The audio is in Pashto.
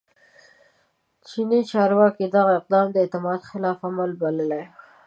چیني چارواکي دغه اقدام د اعتماد خلاف عمل بللی